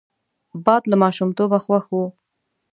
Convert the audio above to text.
باد له ماشومتوبه خوښ وو